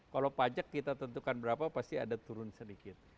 kalau pajak kita tentukan berapa pasti ada turun sedikit